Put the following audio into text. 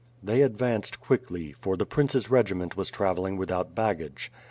They advanced quickly, for the prince's regiment was travelling without baggage.